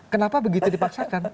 kenapa begitu dipaksakan